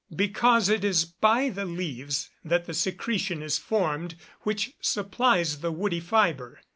_ Because it is by the leaves that the secretion is formed which supplies the woody fibre.